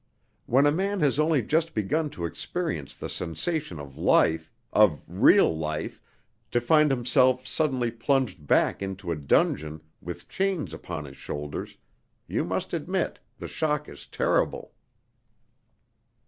When a man has only just begun to experience the sensation of life of real life to find himself suddenly plunged back into a dungeon with chains upon his shoulders, you must admit the shock is terrible."